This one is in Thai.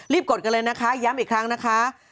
กดกันเลยนะคะย้ำอีกครั้งนะคะ